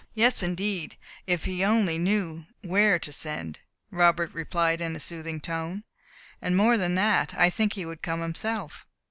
"Yes, indeed; if he only knew where to send," Robert replied in a soothing tone; "and more than that, I think he would come himself."